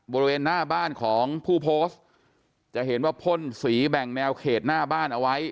บริเวณหน้าบ้านของผู้โพสต์จะเห็นว่าพ่นสีแบ่งแนวเขตหน้าบ้านเอาไว้